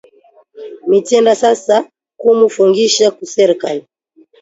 Mitenda sasa kumu fungisha ku serkali